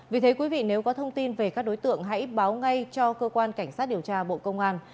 vì thế quý vị nếu có thông tin về các đối tượng hãy báo ngay cho cơ quan cảnh sát điều tra bộ công an